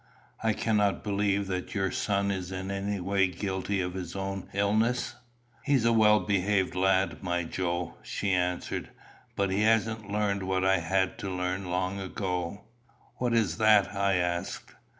"I cannot believe that your son is in any way guilty of his own illness." "He's a well behaved lad, my Joe," she answered; "but he hasn't learned what I had to learn long ago." "What is that?" I asked.